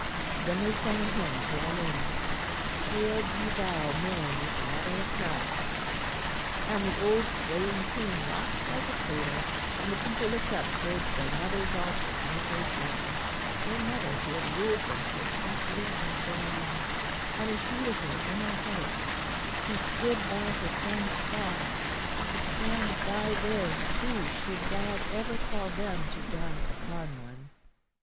Then they sang a hymn to our Lady: "Hail be thou, Mary, the mother of Christ," and the old swaying tune rocked like a cradle, and the people looked up towards their Mother's altar as they sang their Mother who had ruled them so sweetly and so long and entreated her in their hearts, who stood by her Son's Cross, to stand by theirs too should God ever call them to die upon one.